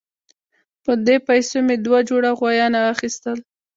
په دې پیسو مې دوه جوړه غویان واخیستل.